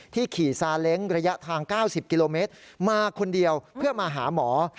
ขี่ซาเล้งระยะทาง๙๐กิโลเมตรมาคนเดียวเพื่อมาหาหมอ